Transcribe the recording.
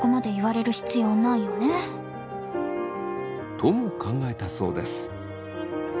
とも考えたそうです。